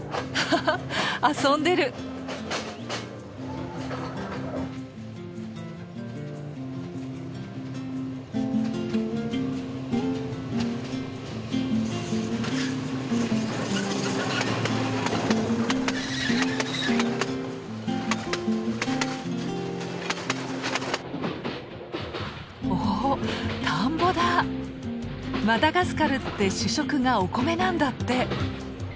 マダガスカルって主食がお米なんだって。